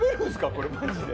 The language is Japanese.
これマジで。